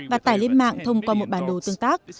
và tải lên mạng thông qua một bản đồ tương tác